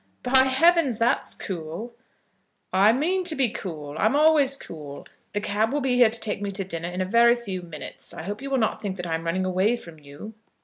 "By heavens, that's cool!" "I mean to be cool; I'm always cool. The cab will be here to take me to dinner in a very few minutes. I hope you will not think I am running away from you?"